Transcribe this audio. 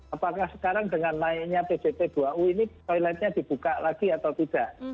apakah sekarang dengan naiknya pjt dua u ini toiletnya dibuka lagi atau tidak